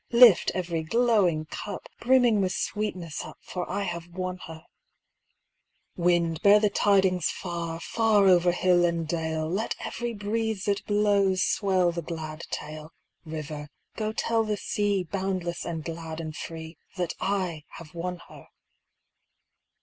Lift every glowing cup Brimming with sweetness up, For — I have won her ! Wind, bear the tidings far, Far over hill and dale ; Let every breeze that blows Swell the glad tale. River, go tell the sea, Boundless and glad and free, That I have won her